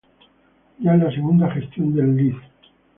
Ya en la segunda gestión del Lic.